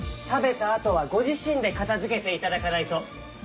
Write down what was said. たべたあとはごじしんでかたづけていただかないと。